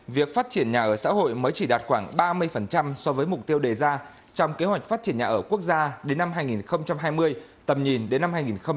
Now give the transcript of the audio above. việc phát triển nhà ở xã hội mới chỉ đạt khoảng ba mươi so với mục tiêu đề ra trong kế hoạch phát triển nhà ở quốc gia đến năm hai nghìn hai mươi tầm nhìn đến năm hai nghìn ba mươi